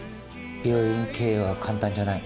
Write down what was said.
病院経営は簡単じゃない。